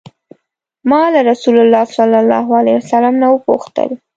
ما له رسول الله صلی الله علیه وسلم نه وپوښتل.